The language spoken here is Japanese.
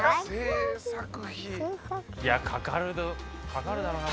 かかるだろうな。